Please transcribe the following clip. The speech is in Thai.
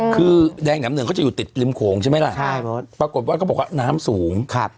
คือแดงแหนมเหนืองก็อยู่ติดริมโขงใช่มั้ยล่ะปรากฏว่าก็บอกว่าน้ำสูง